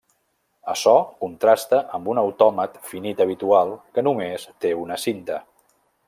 Açò contrasta amb un autòmat finit habitual, que només té una cinta.